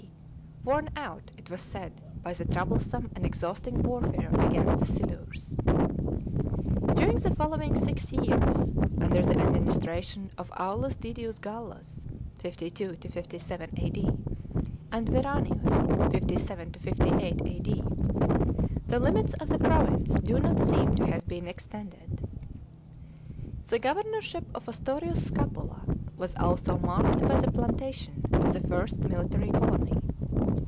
D., worn out, it was said, by the troublesome and exhausting warfare against the Silures. During the folowini six years, under the administration of A'dus Didius Gallus (52 57 AD) and Veranius (57 58 A.D.), the limits of the province do not seem to have been extended. The governorship of Ostorius Scapula was also marked by the plantation of the first military colony.